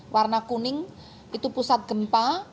warna kuning itu pusat gempa